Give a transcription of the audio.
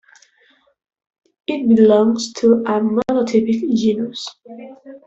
It belongs to a monotypic genus.